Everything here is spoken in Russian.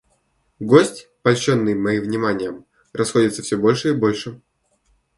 Гость, польщенный моим вниманием, расходится всё больше и больше.